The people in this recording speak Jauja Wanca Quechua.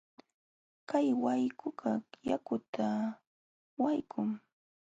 Kay wayqukaq yakuna wayqum.